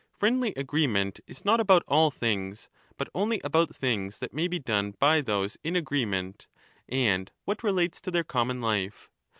Friendly agreement is not about all things, but only about things that may be done by those in agreement and what relates to their common life.